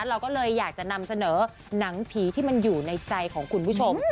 เราก็เลยอยากจะนำเสนอหนังผีที่มันอยู่ในใจของคุณผู้ชม